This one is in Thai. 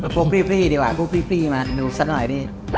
พูดพรีพรีดีกว่าพูดพรีพรีมาดูซักหน่อยพี่